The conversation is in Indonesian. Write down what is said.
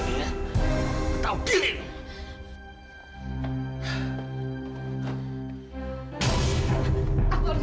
apa yang harus dilakukan ini